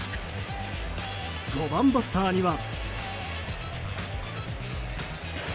５番バッターには。